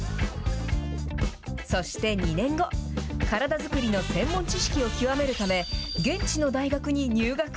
そして２年後、体づくりの専門知識を極めるため、現地の大学に入学。